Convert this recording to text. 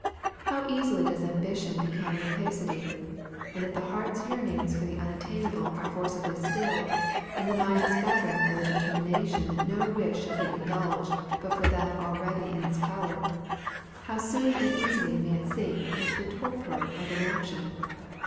How easily does ambition become rapacity; and if the heart's yearnings for the unattainable are forcibly stilled, and the mind is governed by the determination that no wish shall be indulged but for that already in its power, how soon and easily may it sink into the torpor of inaction!